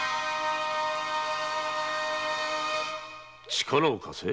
力を貸せ？